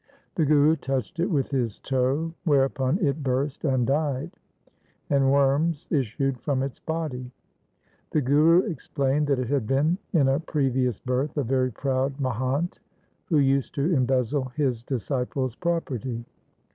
The Guru touched it with his toe, whereupon it burst and died, and worms issued from its body. The Guru explained that it had been in a previous birth a very proud Mahant who used to embezzle his disciples' property.